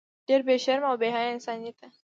ډیر بی شرمه او بی حیا انسان یی ته